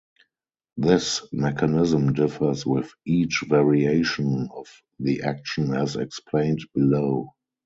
This mechanism differs with each variation of the action as explained below.